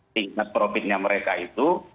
tingkat profitnya mereka itu